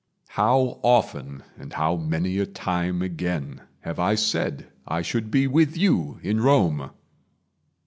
How often, and how many a time again, Have I said I should be with you in Rome!